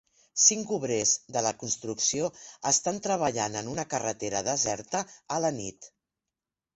Cinc obrers de la construcció estan treballant en una carretera deserta a la nit.